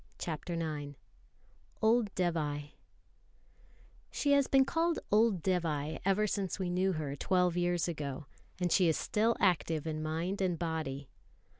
CHAPTER IX Old Dévai SHE has been called "Old Dévai" ever since we knew her, twelve years ago; and she is still active in mind and body.